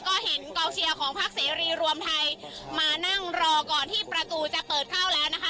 ก็เห็นกองเชียร์ของพักเสรีรวมไทยมานั่งรอก่อนที่ประตูจะเปิดเข้าแล้วนะคะ